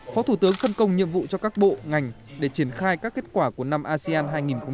phó thủ tướng phân công nhiệm vụ cho các bộ ngành để triển khai các kết quả của năm asean hai nghìn hai mươi